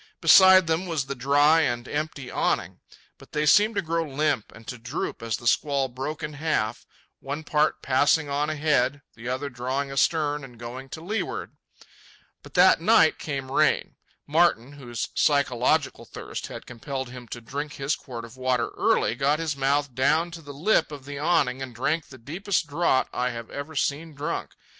Beside them was the dry and empty awning. But they seemed to grow limp and to droop as the squall broke in half, one part passing on ahead, the other drawing astern and going to leeward. But that night came rain. Martin, whose psychological thirst had compelled him to drink his quart of water early, got his mouth down to the lip of the awning and drank the deepest draught I ever have seen drunk.